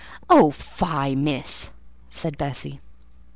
"Oh fie, Miss!" said Bessie.